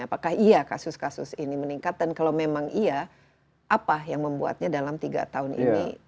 apakah iya kasus kasus ini meningkat dan kalau memang iya apa yang membuatnya dalam tiga tahun ini